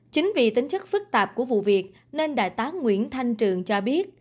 chính vì tính chất phức tạp của vụ việc nên đại tá nguyễn thanh trường cho biết